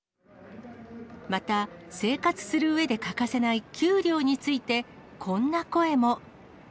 また、生活するうえで欠かせない給料について、こんな声も。